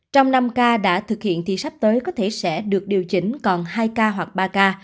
trong năm k đã thực hiện thì sắp tới có thể sẽ được điều chỉnh còn hai k hoặc ba k